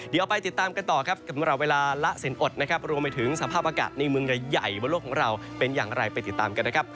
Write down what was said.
เดี๋ยวไปติดตามกันต่อครับสำหรับเวลาละสินอดนะครับรวมไปถึงสภาพอากาศในเมืองใหญ่บนโลกของเราเป็นอย่างไรไปติดตามกันนะครับ